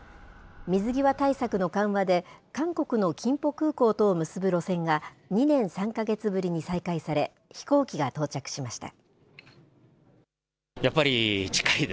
水際対策の緩和で、韓国のキンポ空港とを結ぶ路線が、２年３か月ぶりに再開され、飛行機が到着しました。